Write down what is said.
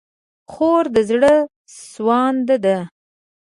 خور د زړه سوانده ده.